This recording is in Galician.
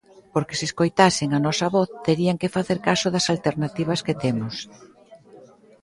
Porque se escoitasen a nosa voz terían que facer caso das alternativas que temos.